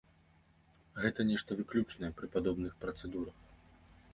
Гэта нешта выключнае пры падобных працэдурах.